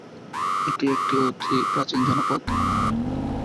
এটি একটি অতি প্রাচীন জনপদ।